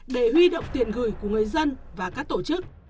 để huy động tiền gửi của người dân và các tổ chức